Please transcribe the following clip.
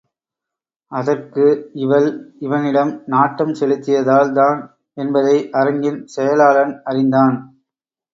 அதற்கு அவள் இவனிடம் நாட்டம் செலுத்தியதால் தான் என்பதை அரங்கின் செயலாளன் அறிந்தான்.